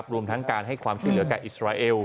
รวมทั้งการให้ความช่วยเหลือแก่อิสราเอล